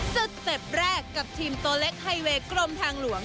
สเต็ปแรกกับทีมตัวเล็กไฮเวย์กรมทางหลวง